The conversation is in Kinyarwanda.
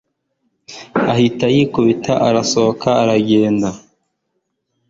ahita yikubita arasohoka arigendera